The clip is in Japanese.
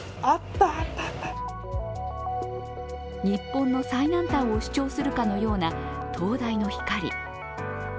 日本の最南端を主張するかのような灯台の光。